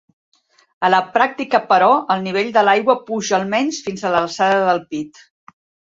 A la pràctica, però, el nivell de l'aigua puja almenys fins a l'alçada del pit.